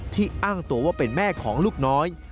อ้างตัวว่าเป็นแม่ของลูกน้อย